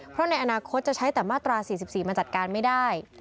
เพราะในอนาคตจะใช้แต่มาตรา๔๔มันจัดการไม่ได้